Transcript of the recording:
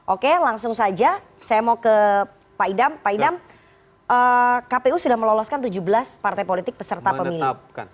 oke langsung saja saya mau ke pak idam pak idam kpu sudah meloloskan tujuh belas partai politik peserta pemilu